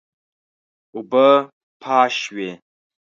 اوبه پاش شوې.